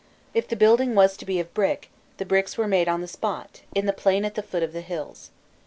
If the building was to be of brick, the bricks were made on the spot, in the plain at the foot of the hills.